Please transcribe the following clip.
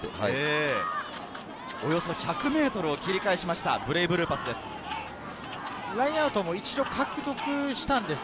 およそ１００ｍを切り返しました、ブレイブルーパスです。